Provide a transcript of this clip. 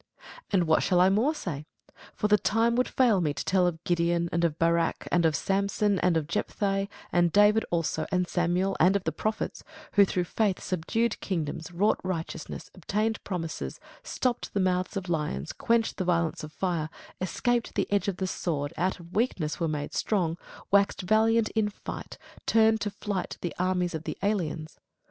And what shall I more say? for the time would fail me to tell of Gedeon, and of Barak, and of Samson, and of Jephthae; of David also, and Samuel, and of the prophets: who through faith subdued kingdoms, wrought righteousness, obtained promises, stopped the mouths of lions, quenched the violence of fire, escaped the edge of the sword, out of weakness were made strong, waxed valiant in fight, turned to flight the armies of the aliens.